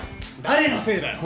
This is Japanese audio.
誰のせいだよ！？